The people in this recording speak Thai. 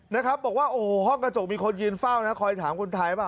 นะครับบอกว่าโอ้โหห้องกระจกมีคนยืนเฝ้านะคอยถามคนไทยป่